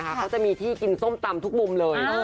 เขาจะมีที่กินส้มตำทุกมุมเลย